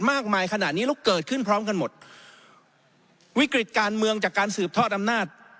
มากมายขนาดนี้แล้วเกิดขึ้นพร้อมกันหมดวิกฤตการเมืองจากการสืบทอดอำนาจ